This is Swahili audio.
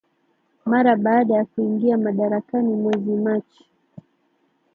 Mara baada ya kuingia madarakani mwezi Machi